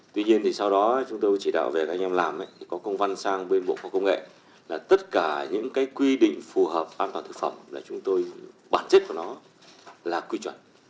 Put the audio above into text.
tuy nhiên thì sau đó chúng tôi chỉ đạo về anh em làm có công văn sang bên bộ khoa công nghệ là tất cả những cái quy định phù hợp an toàn thực phẩm là chúng tôi bản chất của nó là quy chuẩn